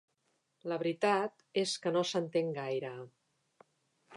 La veritat és que no s'entén gaire.